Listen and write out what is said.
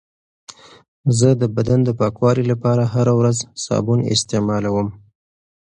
زه د بدن د پاکوالي لپاره هره ورځ صابون استعمالوم.